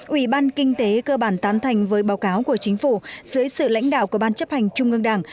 ủy ban kinh tế cơ bản tán thành với báo cáo của chính phủ dưới sự lãnh đạo của ban chấp hành trung ương đảng